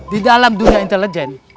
di dalam dunia intelijen